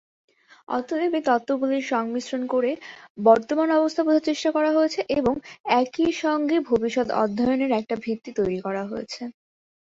অতএব, এই তত্ত্বগুলির সংমিশ্রণ করে বর্তমান অবস্থা বোঝার চেষ্টা হয়েছে এবং একই সঙ্গে ভবিষ্যত অধ্যয়নের একটা ভিত্তি তৈরি করা হয়েছে।